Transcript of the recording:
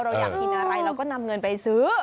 เราอยากกินอะไรเราก็นำเงินไปซื้อ